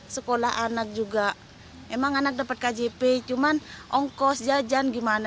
sekolah anak juga emang anak dapat kjp cuman ongkos jajan gimana